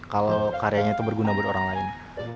kalau karyanya itu berguna buat orang lain